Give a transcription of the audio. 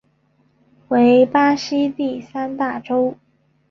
为巴西第三大州。